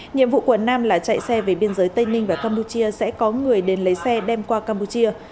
nhiệm vụ của nam là chạy xe về biên giới tây ninh và campuchia sẽ có người đến lấy xe đem qua campuchia